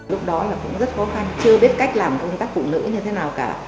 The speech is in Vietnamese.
lúc đó là cũng rất khó khăn chưa biết cách làm công tác phụ nữ như thế nào cả